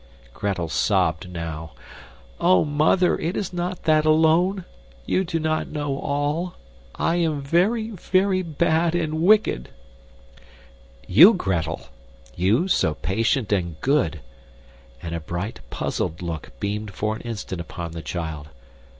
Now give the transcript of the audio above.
Gretel sobbed now. "Oh, mother, it is not that alone you do not know all. I am very, very bad and wicked!" "YOU, Gretel! you so patient and good!" and a bright, puzzled look beamed for an instant upon the child.